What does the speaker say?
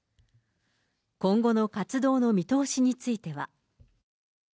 今後の活動の見通しについては。